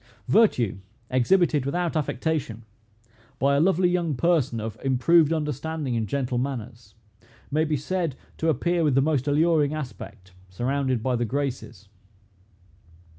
Virtue, exhibited without affectation, by a lovely young person, of improved understanding and gentle manners, may be said to appear with the most alluring aspect, surrounded by the Graces.